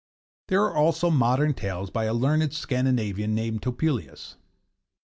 There are also modern tales by a learned Scandinavian named Topelius.